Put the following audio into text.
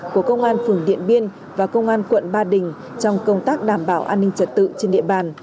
của công an phường điện biên và công an quận ba đình trong công tác đảm bảo an ninh trật tự trên địa bàn